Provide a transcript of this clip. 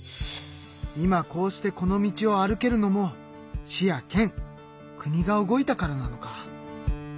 今こうしてこの道を歩けるのも市や県国が動いたからなのか。